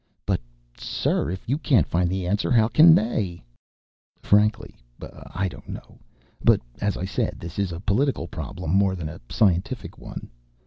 "But, sir, if you can't find the answer, how can they?" "Frankly, I don't know. But, as I said, this is a political problem more than a scientific one.